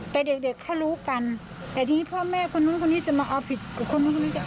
แต่เด็กเด็กเขารู้กันแต่ทีนี้พ่อแม่คนนู้นคนนี้จะมาเอาผิดกับคนนู้นคนนี้